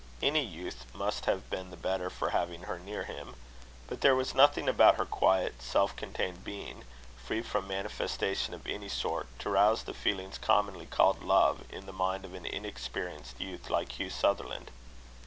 Any youth must have been the better for having her near him; but there was nothing about her quiet, self contained being, free from manifestation of any sort, to rouse the feelings commonly called love, in the mind of an inexperienced youth like Hugh Sutherland.